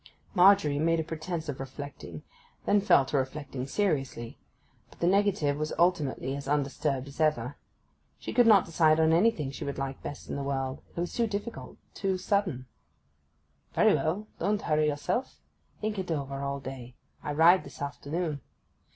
Margery made a pretence of reflecting—then fell to reflecting seriously; but the negative was ultimately as undisturbed as ever: she could not decide on anything she would like best in the world; it was too difficult, too sudden. 'Very well—don't hurry yourself. Think it over all day. I ride this afternoon.